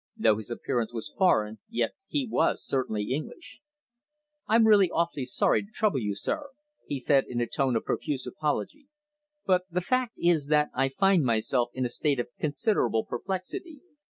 Though his appearance was foreign, yet he was certainly English. "I'm really awfully sorry to trouble you, sir," he said in a tone of profuse apology, "but the fact is that I find myself in a state of considerable perplexity.